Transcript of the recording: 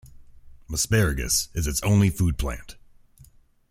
Asparagus is its only food plant.